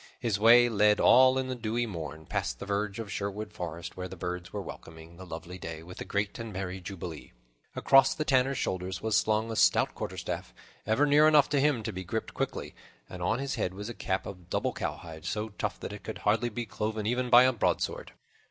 His way led, all in the dewy morn, past the verge of Sherwood Forest, where the birds were welcoming the lovely day with a great and merry jubilee. Across the Tanner's shoulders was slung his stout quarterstaff, ever near enough to him to be gripped quickly, and on his head was a cap of doubled cowhide, so tough that it could hardly be cloven even by a broadsword.